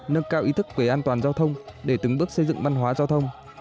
nâng cao ý thức về an toàn giao thông để từng bước xây dựng văn hóa giao thông